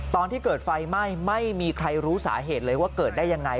ตอนที่เกิดไฟไหม้ไม่มีใครรู้สาเหตุเลยว่าเกิดได้ยังไง